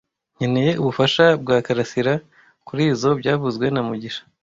Nkeneye ubufasha bwa Karasira kurizoi byavuzwe na mugisha